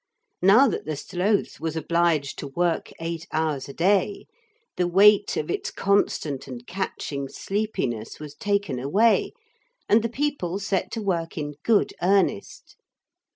Now that the Sloth was obliged to work eight hours a day, the weight of its constant and catching sleepiness was taken away, and the people set to work in good earnest.